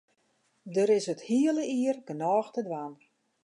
Der is it hiele jier genôch te dwaan.